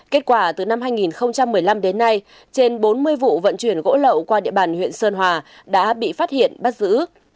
kết quả từ năm hai nghìn một mươi năm đến nay trên bốn mươi vụ vận chuyển gỗ lậu qua địa bàn huyện sơn hòa đã bị phát hiện bắt giữ